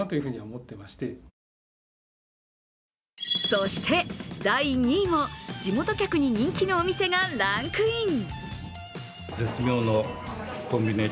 そして第２位も、地元客に人気のお店がランクイン。